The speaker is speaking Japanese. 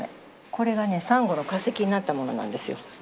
これがねサンゴの化石になったものなんですよ。